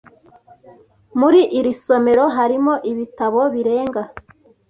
Muri iri somero harimo ibitabo birenga